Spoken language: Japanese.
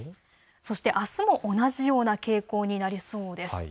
そしてあすも同じような傾向になりそうです。